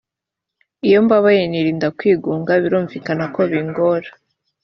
iyo mbabaye nirinda kwigunga birumvikana ko bingora